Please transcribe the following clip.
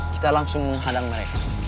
kita langsung menghadang mereka